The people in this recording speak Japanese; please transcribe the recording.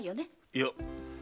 いや！